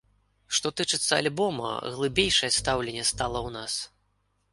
Што тычыцца альбома, глыбейшае стаўленне стала ў нас.